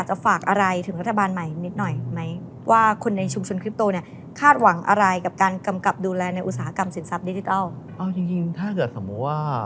จริงถ้าเกิดสมมุติว่า